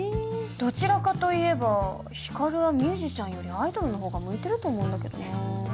どちらかといえば光はミュージシャンよりアイドルのほうが向いてると思うんだけどな。